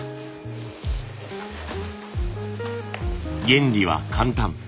原理は簡単。